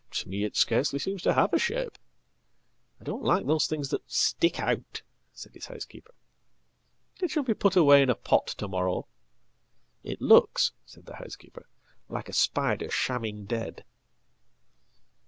""To me it scarcely seems to have a shape.""I don't like those things that stick out," said his housekeeper."It shall be put away in a pot to morrow.""It looks," said the housekeeper, "like a spider shamming dead."